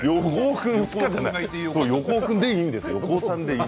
横尾さんでいいんですよ。